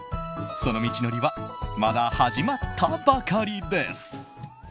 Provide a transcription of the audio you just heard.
その道のりはまだ始まったばかりです。